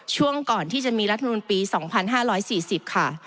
ช่วงก่อนที่จะมีรัฐมนุนปี๒๕๔๐ค่ะ